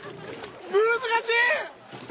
難しい！